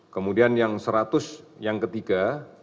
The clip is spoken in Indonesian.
kemudian yang seratus yang ketiga